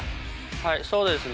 はい、そうですね、